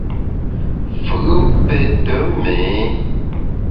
Fù’ pète méé.